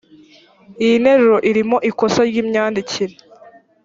iyi nteruro irimo ikosa ry imyandikire